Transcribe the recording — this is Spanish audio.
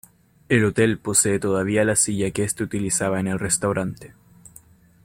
El hotel posee todavía la silla que este utilizaba en el restaurante.